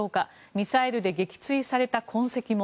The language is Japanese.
ミサイルで撃墜された痕跡も。